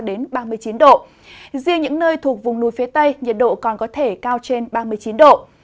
riêng những nơi thuộc vùng núi phía tây nhiệt độ còn có thể cao trên ba mươi chín độ